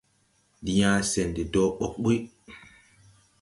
Ndi yãã sɛn de dɔɔ ɓɔg ɓuy.